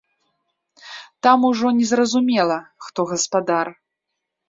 Там ужо незразумела, хто гаспадар.